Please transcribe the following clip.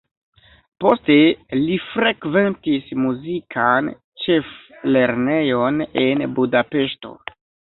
Poste li frekventis muzikan ĉeflernejon en Budapeŝto.